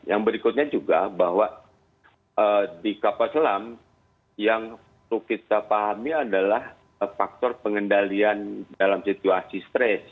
yang berikutnya juga bahwa di kapal selam yang perlu kita pahami adalah faktor pengendalian dalam situasi stres